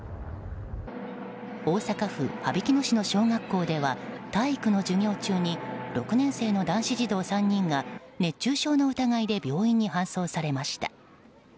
大阪府羽曳野市の小学校では体育の授業中に６年生の男子児童３人が熱中症の疑いで病院に搬送されました。